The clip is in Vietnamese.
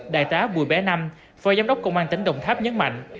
đại tá bùi bé năm phó giám đốc công an tỉnh đồng tháp nhấn mạnh